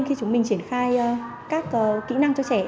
khi chúng mình triển khai các kỹ năng cho trẻ